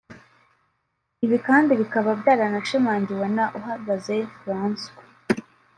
Ibi kandi bikaba byaranashimangiwe na Uhagaze Francois